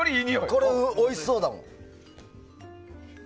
これ、おいしそうだもん。